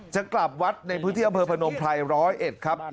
จะกลับวัดในพื้นที่อำเภอพนมภัยร้อยเอ็ดครับ